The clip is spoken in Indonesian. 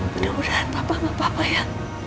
mudah mudahan papa gak apa apa ya